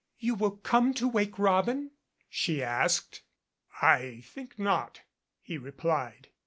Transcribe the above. "You will come to 'Wake Robin' ?" she asked. "I think not," he replied.